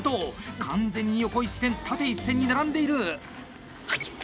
完全に横一線、縦一線に並んでいる！